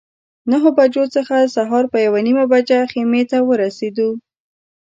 نهه بجو څخه سهار په یوه نیمه بجه خیمې ته ورسېدو.